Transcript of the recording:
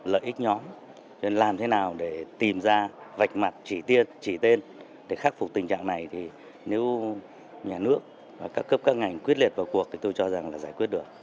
lợi ích nhóm nên làm thế nào để tìm ra vạch mặt chỉ tiên chỉ tên để khắc phục tình trạng này thì nếu nhà nước và các cấp các ngành quyết liệt vào cuộc thì tôi cho rằng là giải quyết được